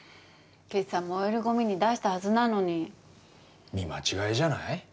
今朝燃えるゴミに出したはずなのに見間違えじゃない？